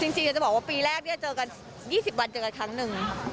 จริงจะบอกว่าปีแรกเจอกัน๒๐วันเจอกันครั้งหนึ่ง